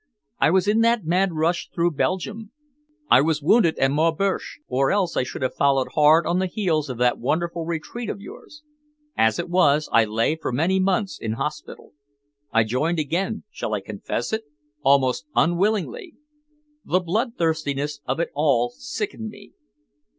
I was in that mad rush through Belgium. I was wounded at Maubeuge, or else I should have followed hard on the heels of that wonderful retreat of yours. As it was, I lay for many months in hospital. I joined again shall I confess it? almost unwillingly. The bloodthirstiness of it all sickened me.